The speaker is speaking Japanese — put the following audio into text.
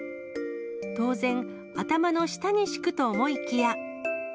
当然、頭の下に敷くと思いきや。